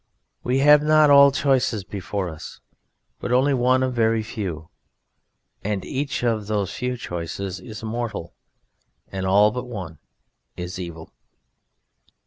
We have not all choices before us, but only one of very few, and each of those few choices is mortal, and all but one is evil.